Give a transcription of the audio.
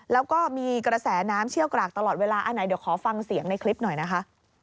แล้วก็มีกระแสน้ำเชี่ยวกรากตลอดเวลาอันไหนเดี๋ยวขอฟังเสียงในคลิปหน่อยนะคะ